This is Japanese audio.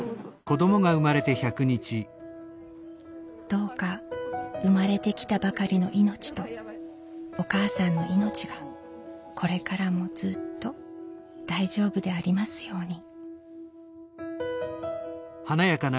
どうか生まれてきたばかりのいのちとお母さんのいのちがこれからもずっと大丈夫でありますように。